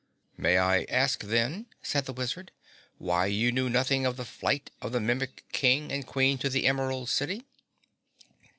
"May I ask then," said the Wizard, "why you knew nothing of the flight of the Mimic King and Queen to the Emerald City?"